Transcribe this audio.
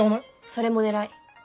それも狙い。